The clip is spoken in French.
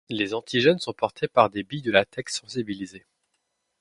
Les antigènes sont portés par des billes de latex sensibilisées.